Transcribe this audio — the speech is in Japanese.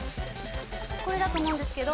これだと思うんですけど。